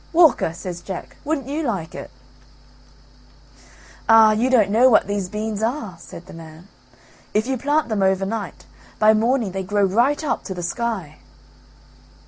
"Walker!" says Jack; "wouldn't you like it?" "Ah! you don't know what these beans are," said the man; "if you plant them over night, by morning they grow right up to the sky."